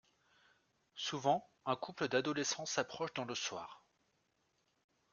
Souvent, un couple d’adolescents s’approche dans le soir.